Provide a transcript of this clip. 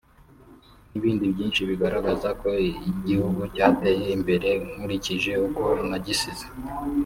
n’ibindi byinshi bigaragaza ko igihugu cyateye imbere nkurikije uko nagisize